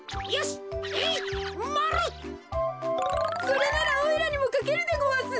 それならおいらにもかけるでごわす。